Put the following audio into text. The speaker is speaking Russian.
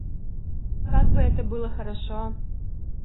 Как бы это было хорошо!